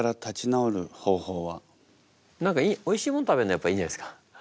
何かおいしいもん食べるのやっぱいいんじゃないですか？